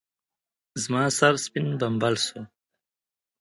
زما سر سپين بمبل شو.